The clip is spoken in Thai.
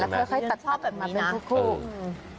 แล้วเพื่อใครตัดแบบนี้นะ